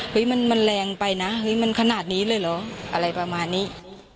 มันแรงไปนะเฮ้ยมันขนาดนี้เลยเหรออะไรประมาณนี้